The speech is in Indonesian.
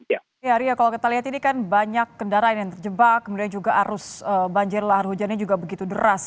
ya ria kalau kita lihat ini kan banyak kendaraan yang terjebak kemudian juga arus banjir lahar hujannya juga begitu deras